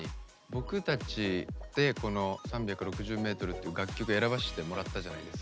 僕たちでこの「３６０ｍ」っていう楽曲選ばせてもらったじゃないですか。